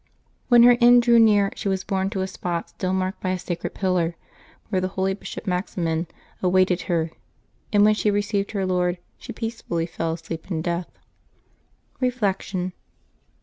When her end drew near she was borne to a spot still marked by a " sa cred pillar," where the holy Bi^op Maximin awaited her ; and when she had received her Lord, she peacefully fell asleep in death. Reflection.